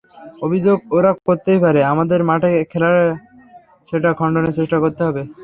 অভিযোগ ওরা করতেই পারে, আমাদের মাঠে খেলেই সেটা খণ্ডনের চেষ্টা করতে হবে।